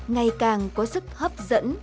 ngày càng có sức hấp dẫn